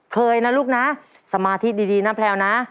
เคยนะลูกนะสมาธิดีนะแพลวนะ